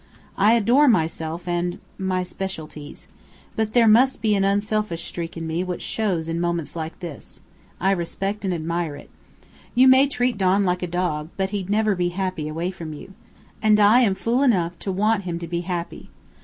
"I adore myself, and my specialties. But there must be an unselfish streak in me which shows in moments like this. I respect and admire it. You may treat Don like a dog, but he'd never be happy away from you. And I am fool enough to want him to be happy.